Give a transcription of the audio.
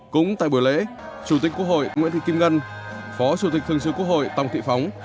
cũng tại buổi lễ chủ tịch quốc hội nguyễn thị kim ngân phó chủ tịch thường sự quốc hội tòng thị phóng